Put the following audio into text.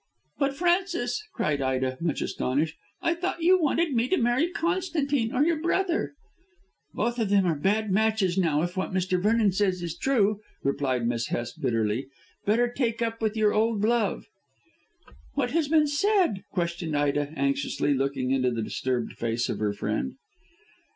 "But, Frances," cried Ida much astonished, "I thought that you wanted me to marry Constantine or your brother." "Both of them are bad matches now if what Mr. Vernon says is true," replied Miss Hest bitterly; "better take up with your old love." "What has been said?" questioned Ida anxiously looking into the disturbed face of her friend.